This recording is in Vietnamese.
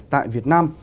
tại việt nam